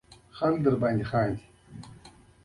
دا تاریخ د دوی له پیدایښت څخه زرګونه کاله پخوا ته ورګرځي